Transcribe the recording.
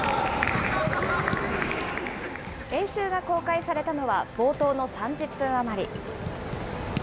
練習が公開されたのは冒頭の３０分余り。